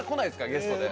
ゲストで。